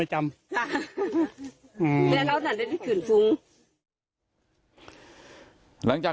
พ่ออยู่หรือเปล่า